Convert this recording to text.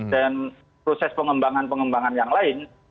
dan proses pengembangan pengembangan yang lain